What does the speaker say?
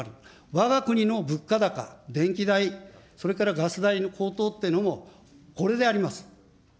わが国の物価高、電気代、それからガス代の高騰っていうのも、これであります。